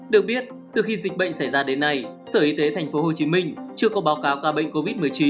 được biết từ khi dịch bệnh xảy ra đến nay sở y tế tp hcm chưa có báo cáo ca bệnh covid một mươi chín